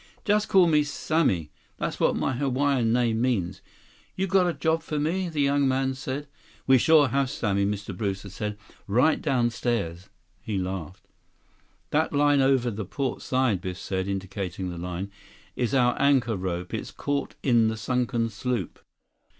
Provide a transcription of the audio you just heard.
"Just call me Sammy—that's what my Hawaiian name means. You got a job for me?" the young man said. "We sure have, Sammy," Mr. Brewster said. "Right downstairs." He laughed. "That line over the port side," Biff said, indicating the line. "That's our anchor rope. It's caught in the sunken sloop."